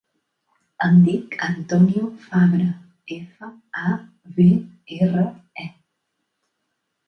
Em dic Antonio Fabre: efa, a, be, erra, e.